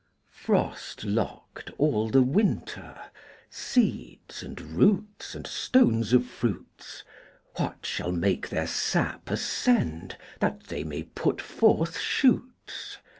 Frost locked all the winter, Seeds, and roots, and stones of fruits, What shall make their sap ascend That they may put forth shoots?